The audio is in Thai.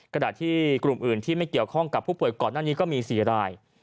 ขณะที่กลุ่มอื่นที่ไม่เกี่ยวข้องกับผู้ป่วยก่อนหน้านี้ก็มี๔ราย